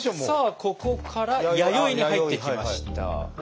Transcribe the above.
さあここから「弥生」に入ってきました。